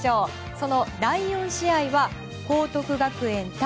その第４試合は報徳学園対